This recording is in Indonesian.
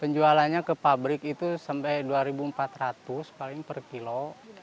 penjualannya ke pabrik itu sampai rp dua empat ratus paling per kilo